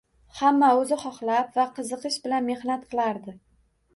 Hamma o‘zi xohlab va qiziqish bilan mehnat qilardi.